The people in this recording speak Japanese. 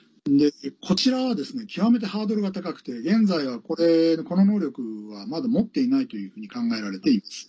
こちらは極めてハードルが高くて現在は、この能力はまだ持っていないというふうに考えられています。